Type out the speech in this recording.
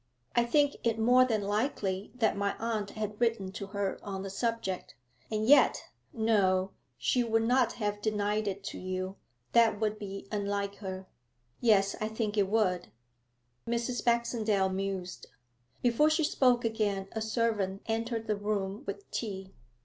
'I think it more than likely that my aunt had written to her on the subject. And yet no; she would not have denied it to you. That would be unlike her.' 'Yes, I think it would.' Mrs. Baxendale mused. Before she spoke again a servant entered the room with tea.